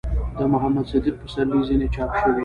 ،د محمد صديق پسرلي ځينې چاپ شوي